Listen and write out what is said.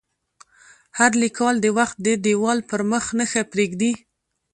هر لیکوال د وخت د دیوال پر مخ نښه پرېږدي.